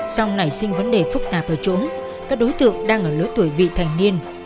sau nảy sinh vấn đề phức tạp ở chỗ các đối tượng đang ở lối tuổi vị thành niên